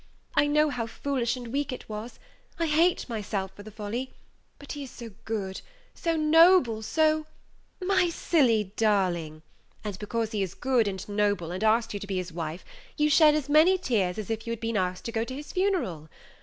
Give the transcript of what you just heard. I know how foolish and weak it was; I hate myself for the folly; but he is so good, so noble, so " "My silly darling; and because he is good and noble, and asked you to be his wife, you shed as many tears as if you had been asked to go to his funeral.